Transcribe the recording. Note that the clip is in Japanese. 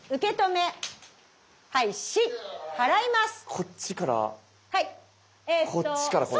こっちからこう。